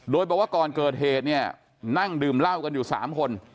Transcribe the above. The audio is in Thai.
โดยบอกว่าก่อนเกิดเหตุเนี่ยนั่งดื่มเหล้ากันอยู่๓คน